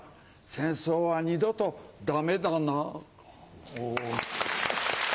戦争は二度とダメだな。